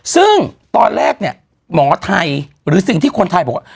ซึ่งตอนแรกเนี่ยหมอไทยหรือสิ่งที่คนไทยบอกว่า